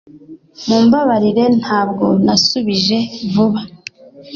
Mumbabarire ntabwo nasubije vuba